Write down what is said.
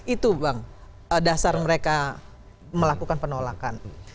itu berdasar mereka melakukan penolakan